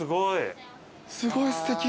すごいすてき。